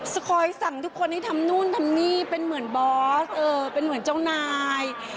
คอยสั่งทุกคนให้ทำนู่นทำนี่เป็นเหมือนบอสเป็นเหมือนเจ้านาย